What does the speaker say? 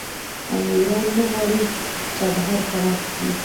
آیا ایران نه غواړي چابهار پراخ کړي؟